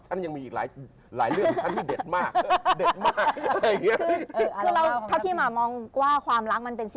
ฉันยังมีอีกหลายเรื่องฉัน